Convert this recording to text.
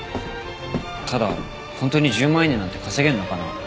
ただホントに１０万イイネなんて稼げるのかな？